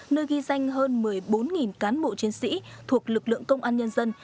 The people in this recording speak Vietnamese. nơi ghi danh hơn một mươi bốn cán bộ chiến sĩ thuộc lực lượng công an nhân dân